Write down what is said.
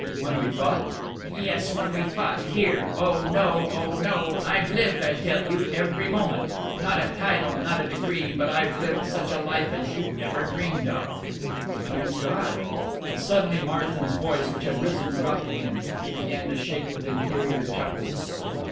"When we fought ?" "Yes, when we fought, here!... Oh no, oh no! I've lived, I tell you, every moment! Not a title, not a degree, but I've lived such a life as you never dreamed of !" "Thank God " But suddenly Marsden's voice, which had risen, dropped again. He began to shake with interior chuckles.